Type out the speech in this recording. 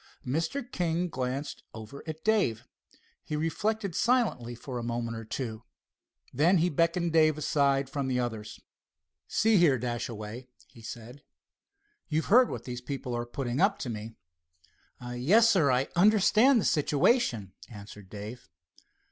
Mr. King glanced over at Dave. He reflected silently for a moment or two. Then he beckoned Dave aside from the others. "See here, Dashaway," he said, "you've heard what these people are putting up to me?" "Yes, sir, I understand the situation," answered Dave.